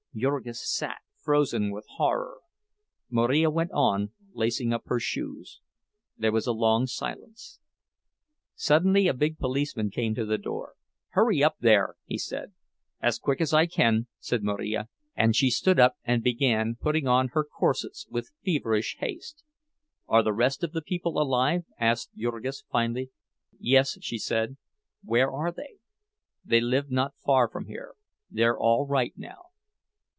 Jurgis sat, frozen with horror. Marija went on lacing up her shoes. There was a long silence. Suddenly a big policeman came to the door. "Hurry up, there," he said. "As quick as I can," said Marija, and she stood up and began putting on her corsets with feverish haste. "Are the rest of the people alive?" asked Jurgis, finally. "Yes," she said. "Where are they?" "They live not far from here. They're all right now."